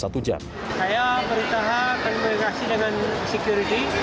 saya beritahu berkomunikasi dengan security